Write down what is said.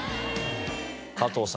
加藤さん